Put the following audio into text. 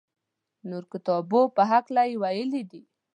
نورو کتابو په هکله یې ویلي دي.